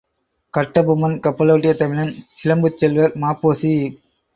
கட்டபொம்மன், கப்பலோட்டிய தமிழன் சிலம்புச் செல்வர் ம.பொ.சி.